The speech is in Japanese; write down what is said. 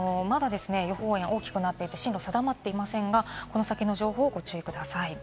まだ予報円大きくなっていて進路定まっていませんが、この先の情報にご注意ください。